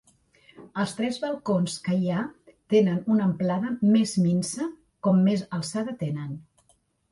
Els tres balcons que hi ha tenen una amplada més minsa com més alçada tenen.